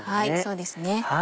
そうですね。